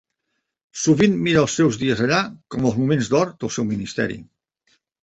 Sovint mira els seus dies allà com els moments d'or del seu ministeri.